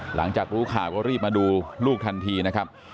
หลังจากรู้ข่าวก็รีบมาดูลูกทันทีนะครับ